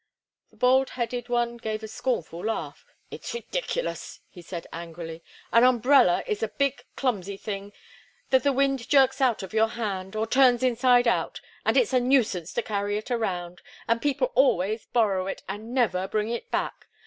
The bald headed one gave a scornful laugh. "It's ridiculous!" he said, angrily. "An umbrella is a big, clumsy thing, that the wind jerks out of your hand, or turns inside out; and it's a nuisance to carry it around; and people always borrow it and never bring it back.